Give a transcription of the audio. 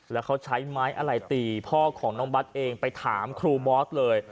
แล้วเขาใช้ไม้อะไรตีพ่อของน้องบัตรเองไปถามครูบอสเลย